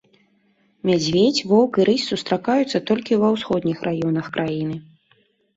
Мядзведзь, воўк і рысь сустракаюцца толькі ва ўсходніх раёнах краіны.